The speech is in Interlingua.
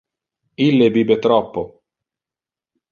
Ille bibe troppo.